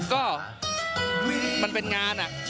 ก็มันเป็นงานอะ